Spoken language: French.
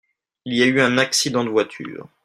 Il y a eu un accident de voiture.